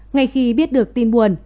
ngay khi biết được tin buồn